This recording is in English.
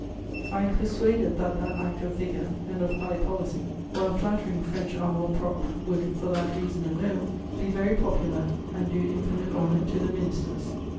I am persuaded that that act of vigour and of high policy, while flattering French amour propre, would, for that reason alone, be very popular and do infinite honour to the ministers.